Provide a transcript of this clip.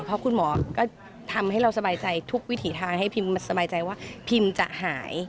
เพราะคุณหมอก็ทำให้เราสบายใจทุกวิถีทางให้พิมสบายใจว่าพิมจะหาย